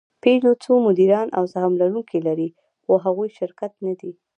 پيژو څو مدیران او سهم لرونکي لري؛ خو هغوی شرکت نهدي.